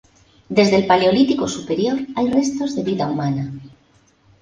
Desde el Paleolítico Superior hay restos de vida humana.